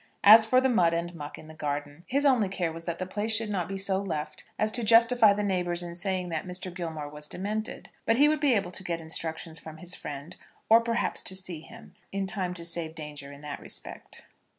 As for the mud and muck in the garden, his only care was that the place should not be so left as to justify the neighbours in saying that Mr. Gilmore was demented. But he would be able to get instructions from his friend, or perhaps to see him, in time to save danger in that respect.